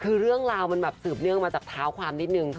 คือเรื่องราวมันแบบสืบเนื่องมาจากเท้าความนิดนึง